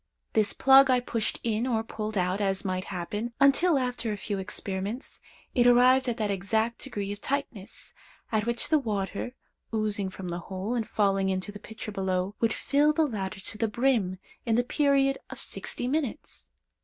This plug I pushed in or pulled out, as might happen, until, after a few experiments, it arrived at that exact degree of tightness, at which the water, oozing from the hole, and falling into the pitcher below, would fill the latter to the brim in the period of sixty minutes.